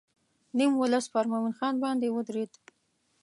نیم ولس پر مومن خان باندې ودرېد.